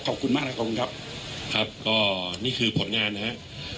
ขอบคุณมากครับขอบคุณครับครับก็นี่คือผลงานนะครับ